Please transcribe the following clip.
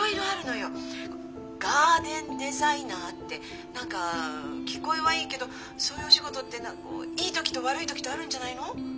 ガーデンデザイナーって何か聞こえはいいけどそういうお仕事っていい時と悪い時とあるんじゃないの？